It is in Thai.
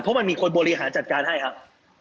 เพราะมันมีคนบริหารจัดการให้ครับ